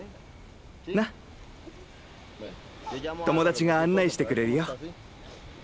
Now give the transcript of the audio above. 友達が案内してくれるよ。